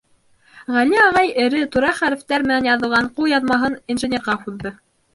Гәли ағай эре, тура хәрефтәр менән яҙылған ҡулъяҙмаһын инженерға һуҙҙы.